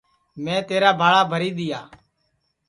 میں تیرا بھاڑا بھری دؔیا